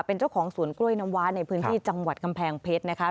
เป็นเจ้าของสวนกล้วยน้ำว้าในพื้นที่จังหวัดกำแพงเพชรนะคะ